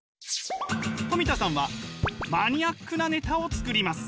トミタさんはマニアックなネタを作ります。